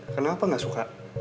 kenapa gak suka